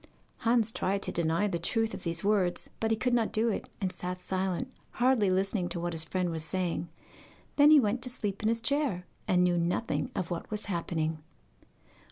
Hans tried to deny the truth of these words, but he could not do it, and sat silent, hardly listening to what his friend was saying. Then he went to sleep in his chair, and knew nothing of what was happening.